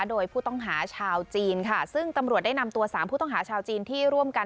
โดยผู้ต้องหาชาวจีนค่ะซึ่งตำรวจได้นำตัวสามผู้ต้องหาชาวจีนที่ร่วมกัน